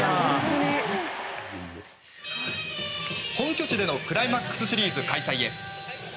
本拠地でのクライマックスシリーズ開催へ。